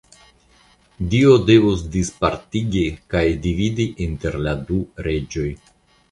Dio devus dispartigi kaj dividi inter la du reĝoj.